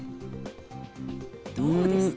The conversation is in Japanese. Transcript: どうですか？